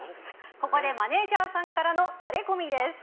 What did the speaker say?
ここでマネジャーさんからのタレコミです。